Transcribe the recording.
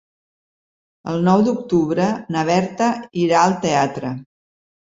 El nou d'octubre na Berta irà al teatre.